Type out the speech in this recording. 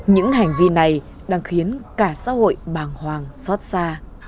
những hành vi này đang khiến cả xã hội bàng hoàng xót xa